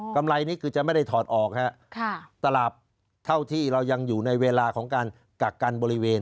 กำไรนี่คือจะไม่ได้ถอดออกฮะตลาดเท่าที่เรายังอยู่ในเวลาของการกักกันบริเวณ